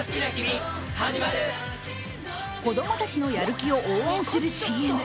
子供たちのやる気を応援するＣＭ。